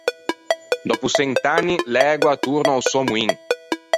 Dòppo çent’anni l’ægua a torna a-o sò moin.